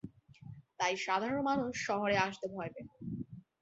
তাই সাধারণ মানুষ শহরে আসতে ভয় পেত।